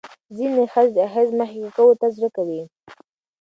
ځینې ښځې د حیض مخکې ککو ته زړه کوي.